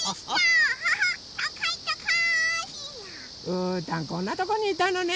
うーたんこんなとこにいたのね。